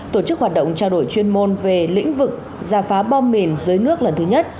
tổ chức hoạt động trao đổi chuyên môn về lĩnh vực giả phá bom mìn dưới nước lần thứ nhất